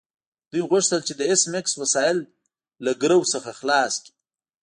دوی غوښتل چې د ایس میکس وسایل له ګرو څخه خلاص کړي